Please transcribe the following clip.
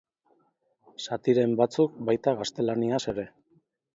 Zatiren batzuk baita gaztelaniaz ere.